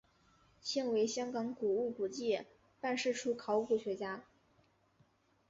现为香港古物古迹办事处考古学家。